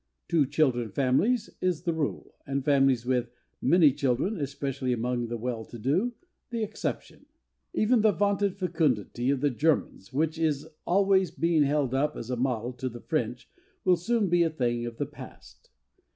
"Two children families" is the rule, and families with many children especially among the well to do the exception. Even the vaunted fecundity of the Germans which is always being held up as a model to the French will soon be a thing of the past.